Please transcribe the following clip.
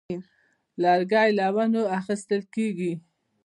لرګی له ونو اخیستل کېږي.